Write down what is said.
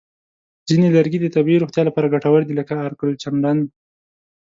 ځینې لرګي د طبیعي روغتیا لپاره ګټور دي، لکه عرقالچندڼ.